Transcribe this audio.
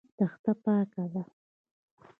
تخته پاکه ده.